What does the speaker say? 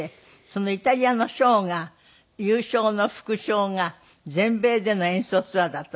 そのイタリアの賞が優勝の副賞が全米での演奏ツアーだったの？